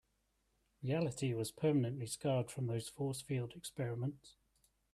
Reality was permanently scarred from those force field experiments.